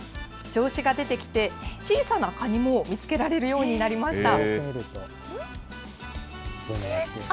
調子が出てきて、小さなカニも見つけられるようになりました。